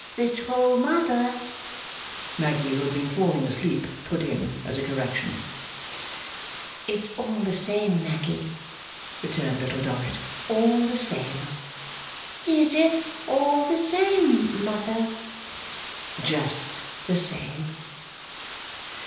'Little mother,' Maggy (who had been falling asleep) put in, as a correction. 'It's all the same, Maggy,' returned Little Dorrit, 'all the same.' 'Is it all the same, mother?' 'Just the same.